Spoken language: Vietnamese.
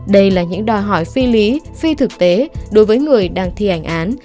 đây là những đòi hỏi phi lý phi thực tế đối với người đang thi hành án